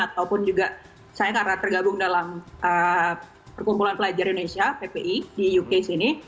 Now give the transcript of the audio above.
ataupun juga saya karena tergabung dalam perkumpulan pelajar indonesia ppi di uks ini